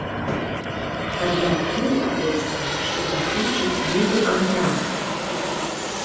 Аднак ёй абяцалі, што заключаць новы кантракт.